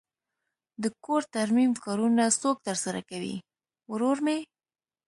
د کور ترمیم کارونه څوک ترسره کوی؟ ورور می